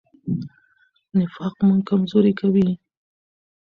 نفاق موږ کمزوري کوي.